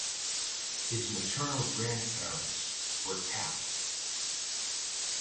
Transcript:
His maternal grandparents were Capt.